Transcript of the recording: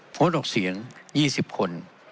โปรดออกเสียง๒๐คน